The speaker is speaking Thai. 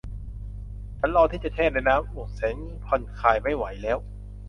ฉันรอที่จะแช่ในอ่างน้ำอุ่นแสนผ่อนคลายไม่ไหวแล้ว